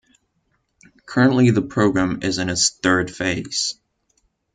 Currently, the program is in its third phase.